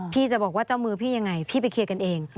พี่จะบอกว่าเจ้ามือพี่ยังไงพี่ไปเคลียร์กันเอง